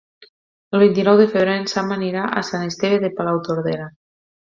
El vint-i-nou de febrer en Sam anirà a Sant Esteve de Palautordera.